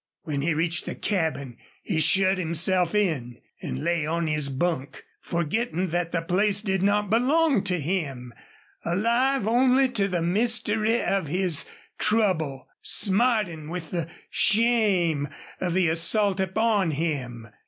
When he reached the cabin he shut himself in, and lay on his bunk, forgetting that the place did not belong to him, alive only to the mystery of his trouble, smarting with the shame of the assault upon him.